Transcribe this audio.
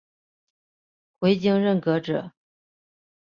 回京任谒者。